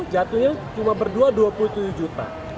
jatuhnya cuma berdua dua puluh tujuh juta